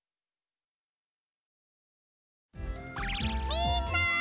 みんな！